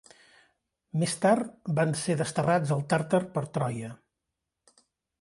Més tard, van ser desterrats al Tàrtar per Troia.